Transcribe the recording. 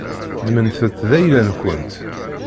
Ddmemt-t d ayla-nkent.